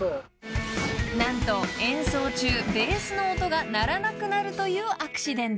［何と演奏中ベースの音が鳴らなくなるというアクシデント］